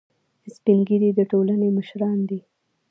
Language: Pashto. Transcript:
سپین ږیری د ټولنې مشران دي